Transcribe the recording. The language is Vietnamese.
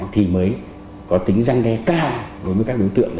thì mới có tính răn đe cao đối với các đối tượng